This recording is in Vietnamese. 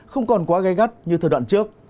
không còn quá gây gắt như thời đoạn trước